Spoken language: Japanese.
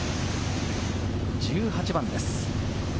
１８番です。